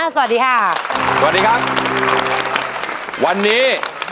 สวัสดีค่ะสวัสดีครับวันนี้